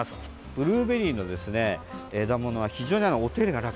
ブルーベリーのですね、枝ものは非常にお手入れが楽。